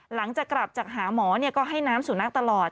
หลังจากกลับจากหาหมอก็ให้น้ำสุนัขตลอด